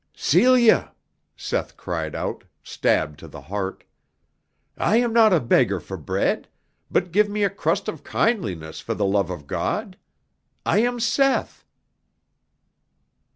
"Celia!" Seth cried out, stabbed to the heart. "I am not a beggar for bread, but give me a crust of kindness for the love of God! I am Seth."